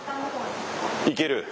いける？